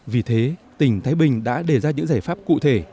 vì thế tỉnh thái bình đã đề ra những giải pháp cụ thể